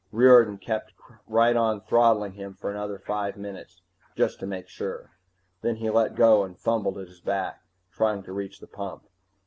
Riordan kept right on throttling him for another five minutes, just to make sure. Then he let go and fumbled at his back, trying to reach the pump.